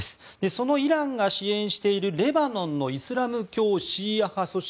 そのイランが支援しているレバノンのイスラム教シーア派組織